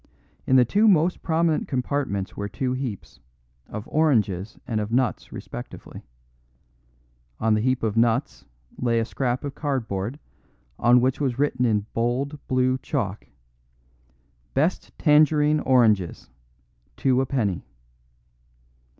In the two most prominent compartments were two heaps, of oranges and of nuts respectively. On the heap of nuts lay a scrap of cardboard, on which was written in bold, blue chalk, "Best tangerine oranges, two a penny."